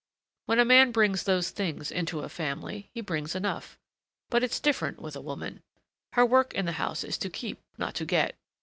When a man brings those things into a family, he brings enough. But it's different with a woman: her work in the house is to keep, not to get.